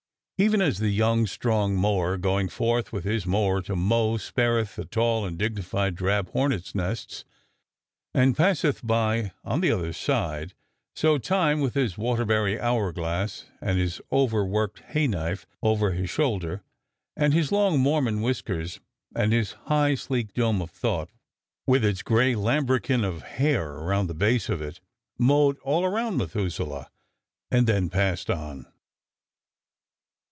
Even as the young, strong mower going forth with his mower to mow spareth the tall and dignified drab hornet's nests and passeth by on the other side, so time, with his Waterbury hour glass and his overworked hay knife over his shoulder, and his long Mormon whiskers and his high, sleek dome of thought, with its gray lambrequin of hair around the base of it, mowed all around Methuselah and then passed on.